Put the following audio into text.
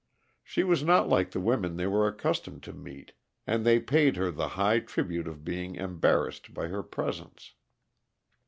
She was not like the women they were accustomed to meet, and they paid her the high tribute of being embarrassed by her presence.